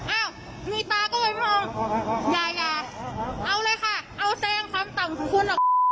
เอ้ามีตาก็เลยมองยาเอาเลยค่ะเอาแตงความต่ำสุคคุณออก